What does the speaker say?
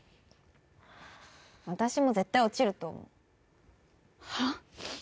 私も絶対落ちると思うはあ？